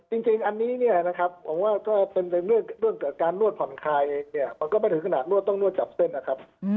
จริงอันนี้เนี่ยนะครับผมว่าถ้าเป็นเรื่องการนวดผ่อนคลายเองเนี่ยมันก็ไม่ถึงขนาดนวดต้องนวดจับเส้นนะครับ